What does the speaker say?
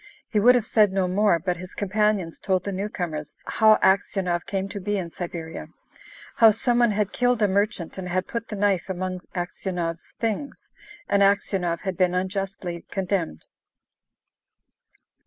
He would have said no more, but his companions told the newcomers how Aksionov came to be in Siberia; how some one had killed a merchant, and had put the knife among Aksionov's things, and Aksionov had been unjustly condemned.